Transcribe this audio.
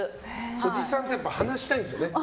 おじさんがやっぱり話したいんですよね。